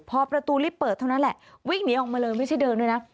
พอประตูลิฟต์เปิดเท่านั้นแหละวิ่งหนีออกมาเลยไม่ใช่เดินด้วยนะ